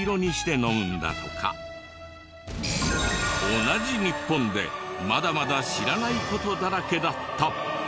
同じ日本でまだまだ知らない事だらけだった！